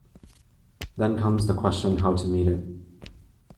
Then comes the question how to meet it.